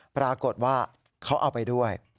ปรากฏว่าเขาเอาไปด้วย